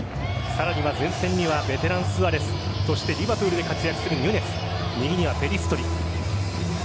さらには前線にはベテラン・スアレスリヴァプールで活躍するヌニェス右にはペリストリ。